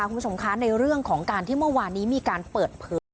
คุณผู้ชมคะในเรื่องของการที่เมื่อวานนี้มีการเปิดเผย